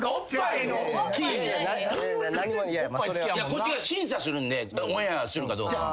こっちが審査するんでオンエアするかどうかは。